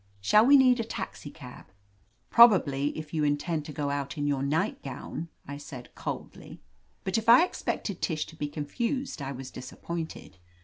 "Shall we need a taxicab?*' "Probably, if you intend to go out in your nightgown," I said coldly. But if I expected Tish to be confused, I was disappointed.